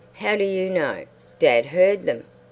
"How do you know?" "Dad heard them.